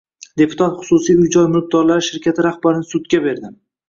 Deputat xususiy uy-joy mulkdorlari shirkati rahbarini sudga berdi